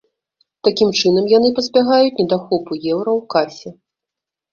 Такім чынам яны пазбягаюць недахопу еўра ў касе.